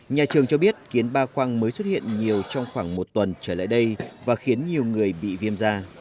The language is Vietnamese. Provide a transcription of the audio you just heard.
nhà trường cho biết kiến ba khoang mới xuất hiện nhiều trong khoảng một tuần trở lại đây và khiến nhiều người bị viêm da